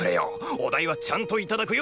お代はちゃんといただくよ。